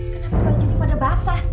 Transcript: kenapa cuci pada basah